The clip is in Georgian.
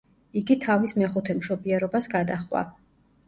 იგი თავის მეხუთე მშობიარობას გადაჰყვა.